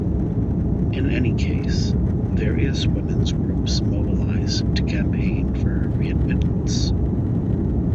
In any case, various women's groups mobilised to campaign for her readmittance.